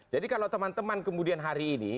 jadi kalau teman teman kemudian hari ini